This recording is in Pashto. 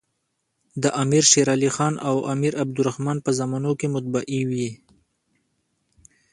د امیر شېرعلي خان او امیر عبدالر حمن په زمانو کي مطبعې وې.